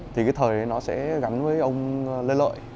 thì cái thời ấy nó sẽ gắn với ông lê lợi